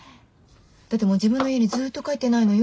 だってもう自分の家にずっと帰ってないのよ。